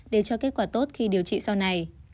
để cho kết quả tốt khi điều trị sau này